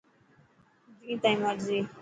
جين تائن مرضي.